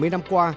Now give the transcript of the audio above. bảy mươi năm qua